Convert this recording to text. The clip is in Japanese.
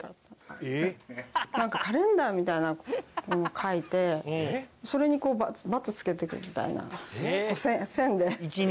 なんかカレンダーみたいなもの書いてそれにこうバツつけていくみたいな線で。